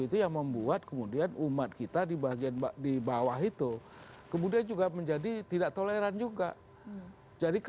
itu yang membuat kemudian umat kita di bagian di bawah itu kemudian juga menjadi tidak toleran juga